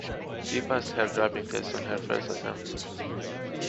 She passed her driving test on her first attempt.